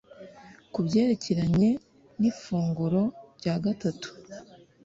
Ku byerekeranye n’ifunguro rya gatatu,